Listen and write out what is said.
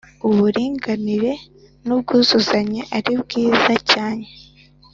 uburinganire n’ubwuzuzanye ari bwiza cyanye